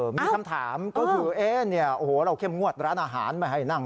มีคำถามก็คือเราเข้มงวดร้านอาหารไม่ให้นั่ง